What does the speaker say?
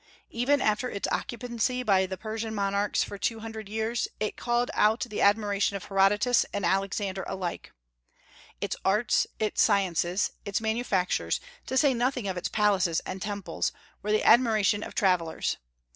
Even after its occupancy by the Persian monarchs for two hundred years, it called out the admiration of Herodotus and Alexander alike. Its arts, its sciences, its manufactures, to say nothing of its palaces and temples, were the admiration of travellers.